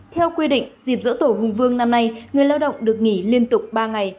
theo quy định dịp dỗ tổ hùng vương năm nay người lao động được nghỉ liên tục ba ngày